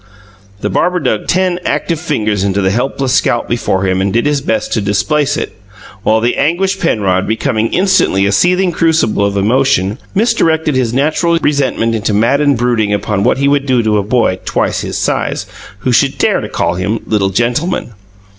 The barber dug ten active fingers into the helpless scalp before him and did his best to displace it, while the anguished Penrod, becoming instantly a seething crucible of emotion, misdirected his natural resentment into maddened brooding upon what he would do to a boy "twice his size" who should dare to call him "little gentleman."